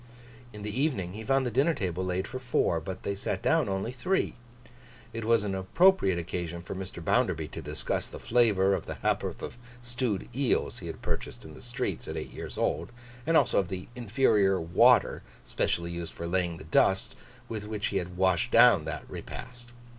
In the evening, he found the dinner table laid for four, but they sat down only three. It was an appropriate occasion for Mr. Bounderby to discuss the flavour of the hap'orth of stewed eels he had purchased in the streets at eight years old; and also of the inferior water, specially used for laying the dust, with which he had washed down that repast.